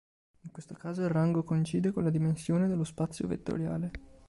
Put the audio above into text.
In questo caso, il rango coincide con la dimensione dello spazio vettoriale.